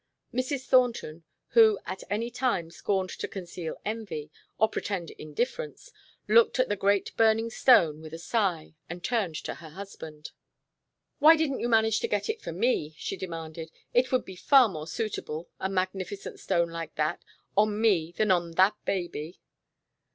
Mrs. Thornton, who at any time scorned to conceal envy, or pretend indifference, looked at the great burning stone with a sigh and turned to her husband. "Why didn't you manage to get it for me?" she demanded. "It would be far more suitable a magnificent stone like that! on me than on that baby."